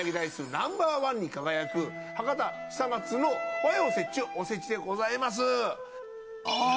ナンバーワンに輝く博多久松の和洋折衷おせちでございます。